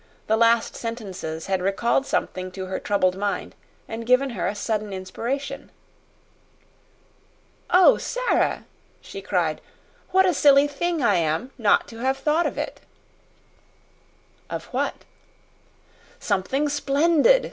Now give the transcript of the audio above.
The last sentences had recalled something to her troubled mind and given her a sudden inspiration. "Oh, Sara!" she cried. "What a silly thing I am not to have thought of it!" "Of what?" "Something splendid!"